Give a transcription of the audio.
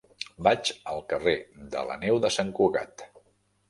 Vaig al carrer de la Neu de Sant Cugat.